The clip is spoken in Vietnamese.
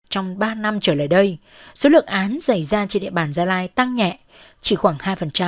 trong ba năm trở lại đây số lượng án xảy ra trên địa bàn gia lai tăng nhẹ chỉ khoảng hai